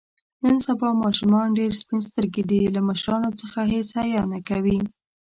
نن سبا ماشومان ډېر سپین سترګي دي. له مشرانو څخه هېڅ حیا نه کوي.